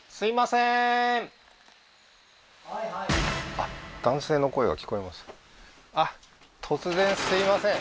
あっ男性の声が聞こえます